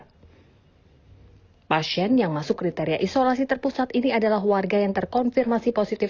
hai pasien yang masuk kriteria isolasi terpusat ini adalah warga yang terkonfirmasi positif